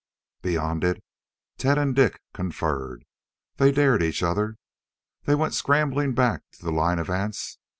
Beyond it, Tet and Dik conferred. They dared each other. They went scrambling back to the line of ants.